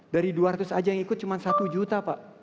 dari dua ratus saja yang ikut cuma satu juta pak